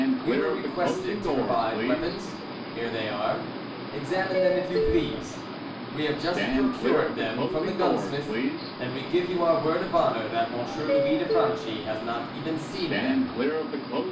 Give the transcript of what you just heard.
We were requested to provide weapons here they are. Examine them if you please. We have just procured them from the gunsmith, and we give you our word of honour that M. Louis de Franchi has not even seen them."